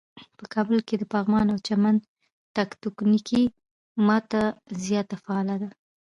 په کابل کې د پغمان او چمن تکتونیکی ماته زیاته فعاله ده.